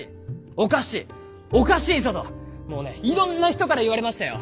おかしいおかしいぞともうねいろんな人から言われましたよ。